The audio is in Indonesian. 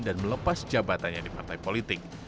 dan melepas jabatannya di partai politik